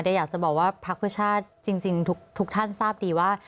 แต่อยากจะบอกว่าพักเพื่อชาติจริงทุกท่านทราบดีว่า